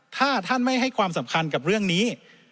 ถ้าท่านไม่ให้ความสำคัญกับเรื่องนี้